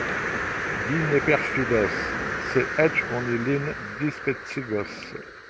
Li ne perfidos, se eĉ oni lin dispecigos!